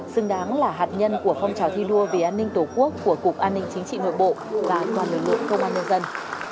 xứng đáng là hạt nhân của phong trào thi đua vì an ninh tổ quốc của cục an ninh chính trị nội bộ và toàn lực lượng công an nhân dân